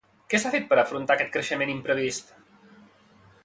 Què s'ha fet per afrontar aquest creixement imprevist?